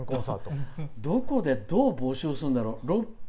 どこで、どう募集するんだろう。